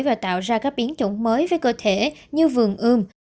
và tạo ra các biến chủng mới với cơ thể như vườn ươm